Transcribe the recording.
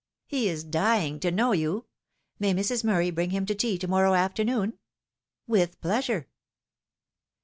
" He is dying to know you. May Mrs. Murray bring him to tea to morrow afternoon?" " With pleasure."